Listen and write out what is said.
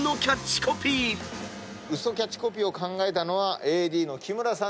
ウソキャッチコピーを考えたのはＡＤの木村さんでございます。